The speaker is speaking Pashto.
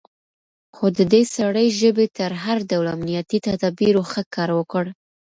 خو د دې سړي ژبې تر هر ډول امنيتي تدابيرو ښه کار وکړ.